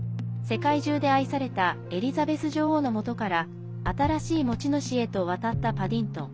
世界中で愛されたエリザベス女王のもとから新しい持ち主へと渡ったパディントン。